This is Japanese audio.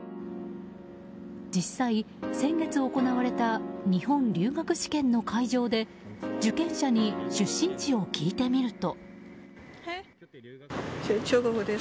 実際、先月行われた日本留学試験の会場で受験者に出身地を聞いてみると。